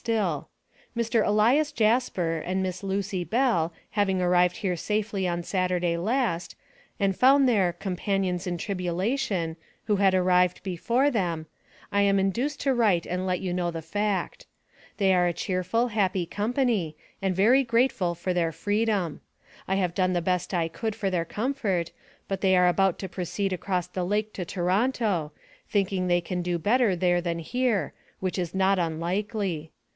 STILL: Mr. Elias Jasper and Miss Lucy Bell having arrived here safely on Saturday last, and found their "companions in tribulation," who had arrived before them, I am induced to write and let you know the fact. They are a cheerful, happy company, and very grateful for their freedom. I have done the best I could for their comfort, but they are about to proceed across the lake to Toronto, thinking they can do better there than here, which is not unlikely.